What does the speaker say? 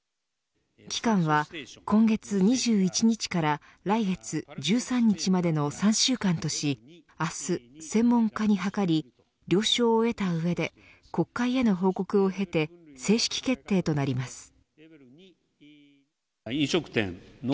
期間は今月２１日から来月１３日までの３週間とし明日、専門家に諮り了承を得た上で国会への報告を経て正式決定となります。